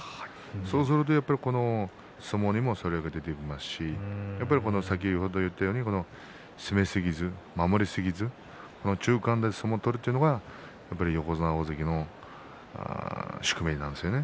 そうすると相撲にもそれが出てきますし先ほど言ったように攻めすぎず守りすぎず中間で相撲を取るというのがやっぱり横綱、大関の宿命なんですよね。